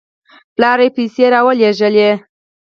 پلار یې پیسې راولېږلې.